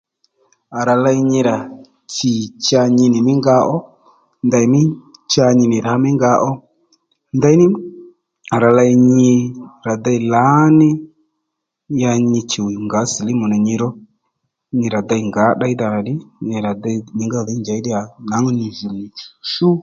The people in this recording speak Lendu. À rà ley nyi rà tsì cha nyi nì mí nga ó ndèymí cha nyi nì rǎ mí nga ó ndeymí à rà ley nyi ra déy lǎní ya nyi chuw nyi nì ngǎ silimu nà nyiro nyi rà dey ngǎ ddeydha nà ddí nyi rà dey nyǐngá dhǐy njěy díya nwangú nyi jùw nì shú